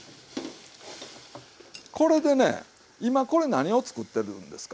これでね今これ何を作ってるんですか？